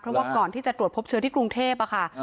เพราะว่าก่อนที่จะตรวจพบเชื้อที่กรุงเทพค่ะ